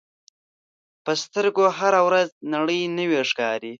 په سترګو هره ورځ نړۍ نوې ښکاري